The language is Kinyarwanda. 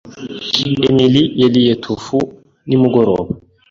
Emily yariye tofu nimugoroba.